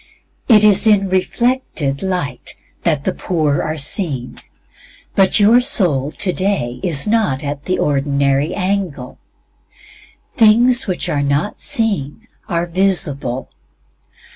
It is in reflected light that the poor are seen. But your soul today is NOT AT THE ORDINARY ANGLE. "Things which are not seen" are visible.